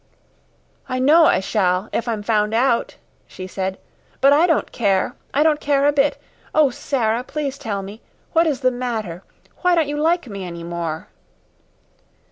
"I know I shall if I'm found out." she said. "But I don't care I don't care a bit. Oh, Sara, please tell me. What is the matter? Why don't you like me any more?"